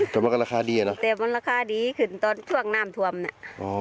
แต่มันก็ราคาดีเนอะแต่มันราคาดีขึ้นตอนช่วงนามถวมเนี่ย